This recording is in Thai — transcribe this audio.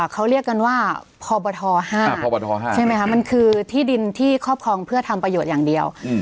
เขาเรียกกันว่าพบ๕ใช่ไหมคะมันคือที่ดินที่ครอบครองเพื่อทำประโยชน์อย่างเดียว